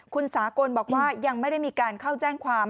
คุณสากลบอกว่ายังไม่ได้มีการเข้าแจ้งความ